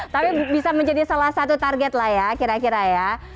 tapi bisa menjadi salah satu target lah ya kira kira ya